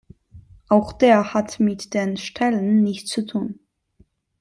Auch der hat mit den Stellen nichts zu tun.